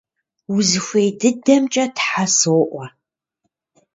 Узыхуей дыдэмкӀэ Тхьэ соӀуэ!